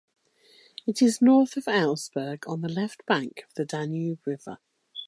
It is north of Augsburg, on the left bank of the Danube River.